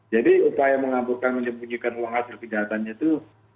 jadi upaya mengaburkan menyembunyikan uang hasil penyihatannya itu